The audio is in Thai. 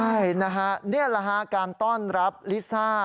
ใช่นะฮะนี่แหละฮะการต้อนรับลิซ่า